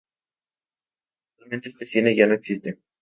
Actualmente, este cine ya no existe.